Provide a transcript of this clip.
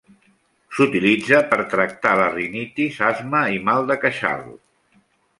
S'utilitza per tractar la rinitis, asma i mal de queixal.